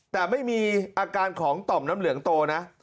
แต่ไม่มีอาการของต่อมน้ำเหลืองโตนะ